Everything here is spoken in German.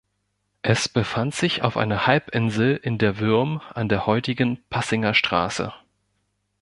Es befand sich auf einer Halbinsel in der Würm an der heutigen "Pasinger Straße".